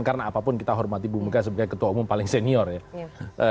karena apapun kita hormati ibu muka sebagai ketua umum paling senior ya